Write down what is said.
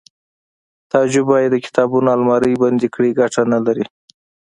تعجب وایی د کتابونو المارۍ بندې کړئ ګټه نلري